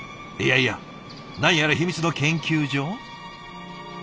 いやいや何やら秘密の研究所？